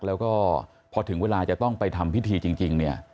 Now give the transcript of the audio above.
แล้วก็พอถึงเวลาจะต้องไปทำพิธีจริงเนี่ย